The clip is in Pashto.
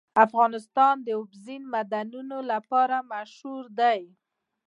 افغانستان د اوبزین معدنونه لپاره مشهور دی.